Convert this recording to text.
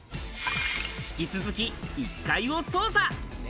引き続き、１階を捜査。